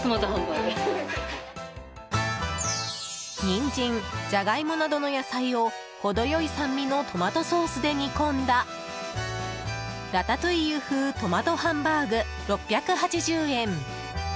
ニンジンジャガイモなどの野菜をほど良い酸味のトマトソースで煮込んだラタトゥイユ風トマトハンバーグ６８０円。